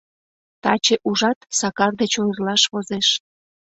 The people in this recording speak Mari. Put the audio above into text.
Таче, ужат, Сакар деч ойырлаш возеш.